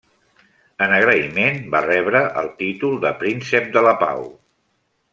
En agraïment va rebre el títol de Príncep de la Pau.